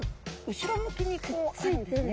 後ろ向きにこうあるんですね。